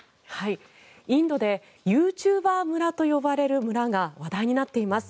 インドでユーチューバー村と呼ばれる村が話題になっています。